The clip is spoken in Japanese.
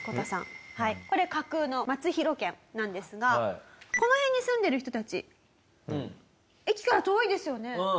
これ架空の松広県なんですがこの辺に住んでる人たち駅から遠いですよね？